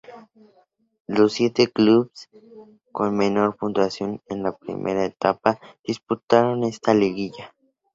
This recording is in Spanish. Los siete clubes con menor puntuación en la Primera Etapa disputaron esta liguilla.